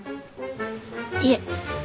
いえ。